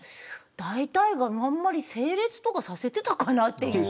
だいたいが、あんまり整列とかさせてたかなっていう。